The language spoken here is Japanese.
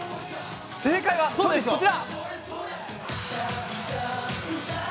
正解は、こちら。